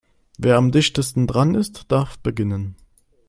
Wer am dichtesten dran ist, darf beginnen.